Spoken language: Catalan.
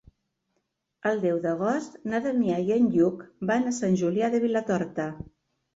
El deu d'agost na Damià i en Lluc van a Sant Julià de Vilatorta.